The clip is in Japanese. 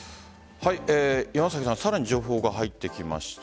さらに情報が入ってきました。